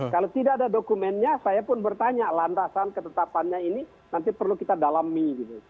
kalau tidak ada dokumennya saya pun bertanya lantasan ketetapannya ini nanti perlu kita dalami gitu